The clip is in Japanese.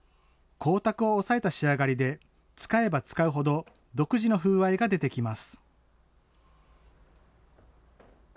光沢を抑えた仕上がりで、使えば使うほど独自の風合いが出てきます。